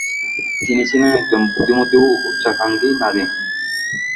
তিনি ছিলেন একজন বুদ্ধিমতী ও উচ্চাকাঙ্ক্ষী নারী।